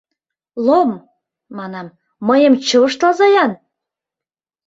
— Лом, — манам, — мыйым чывышталза-ян.